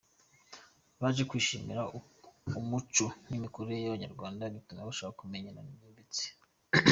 Baje kwishimira umuco n’imikorere by’Abanyarwanda bituma bashaka kubamenya byimbitse.